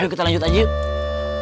yuk kita lanjut aja yuk